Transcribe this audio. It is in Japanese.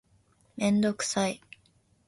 めんどくさい